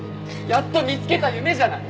やっと見つけた夢じゃない！